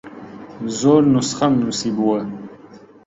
زۆر نوسخەم نووسیبۆوە